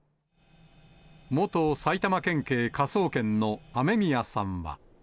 元埼玉県警科捜研の雨宮さんは。